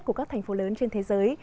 của các thành phố lớn trên thế giới